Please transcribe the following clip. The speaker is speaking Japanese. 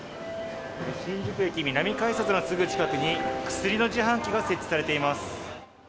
新宿駅南改札のすぐ近くに薬の自販機が設置されています。